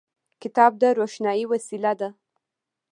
کتاب د روښنايي وسیله ده.